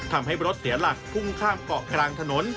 ทำให้รถเสียหลักพุ่งข้ามเกาะกลางถนน